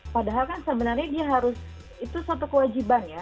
padahal kan sebenarnya dia harus itu satu kewajiban ya